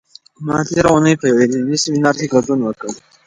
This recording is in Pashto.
ما تېره اونۍ په یوه علمي سیمینار کې ګډون وکړ.